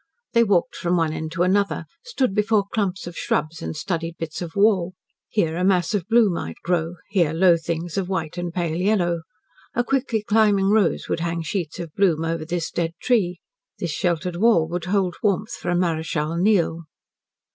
They walked from one end to another, stood before clumps of shrubs, and studied bits of wall. Here a mass of blue might grow, here low things of white and pale yellow. A quickly climbing rose would hang sheets of bloom over this dead tree. This sheltered wall would hold warmth for a Marechal Niel.